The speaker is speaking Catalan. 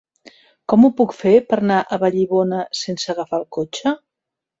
Com ho puc fer per anar a Vallibona sense agafar el cotxe?